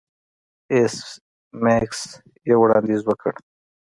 ایس میکس یو وړاندیز وکړ